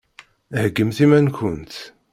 Heggimt iman-nkent.